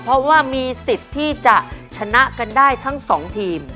เพราะว่ามีสิทธิ์ที่จะชนะกันได้ทั้งสองทีม